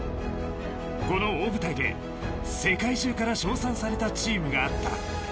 この大舞台で世界中から称賛されたチームがあった。